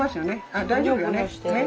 あ大丈夫やね。